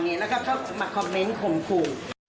แล้วก็เข้ามาคอมเมนต์ข่มขู่